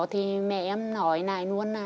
thì mẹ em nói này luôn là